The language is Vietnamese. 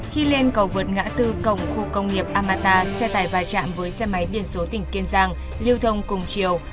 khi lên cầu vượt ngã tư cổng khu công nghiệp amata xe tải vai trạm với xe máy biên số tỉnh kiên giang lưu thông cùng chiều